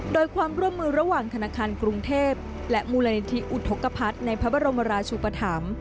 โดยความร่วมมือระหว่างธนาคารกรุงเทพและมูลนิธิอุทธกภัทรในพระบรมราชุปธรรม